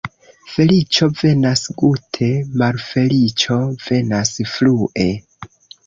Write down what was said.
Feliĉo venas gute, malfeliĉo venas flue.